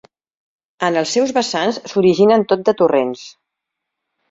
En els seus vessants s'originen tot de torrents.